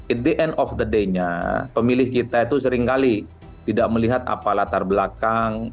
it the end of the day nya pemilih kita itu seringkali tidak melihat apa latar belakang